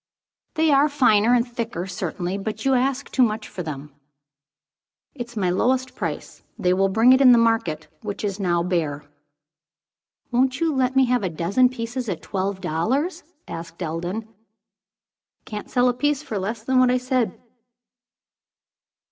"They are finer and thicker certainly. But you ask too much for them." "It's my lowest price. They will bring it in the market, which is now bare." "Won't you let me have a dozen pieces at twelve dollars?" asked Eldon. "Can't sell a piece for less than what I said."